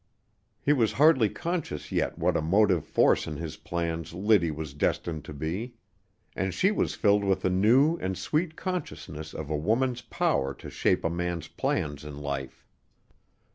He was hardly conscious yet what a motive force in his plans Liddy was destined to be; and she was filled with a new and sweet consciousness of a woman's power to shape a man's plans in life.